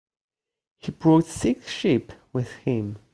He brought six sheep with him.